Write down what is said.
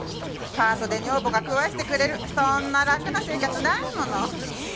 パートで女房が食わせてくれるそんな楽な生活ないもの。